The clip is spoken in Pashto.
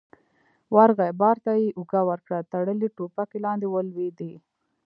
ورغی، بار ته يې اوږه ورکړه، تړلې ټوپکې لاندې ولوېدې.